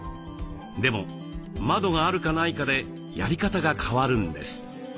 でも窓があるかないかでやり方が変わるんです。